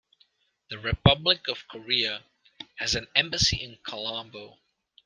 The Republic of Korea has an embassy in Colombo.